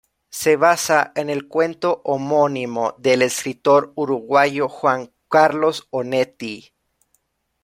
Se basa en el cuento homónimo del escritor uruguayo Juan Carlos Onetti.